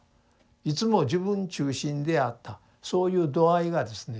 いつも自分中心であったそういう度合いがですね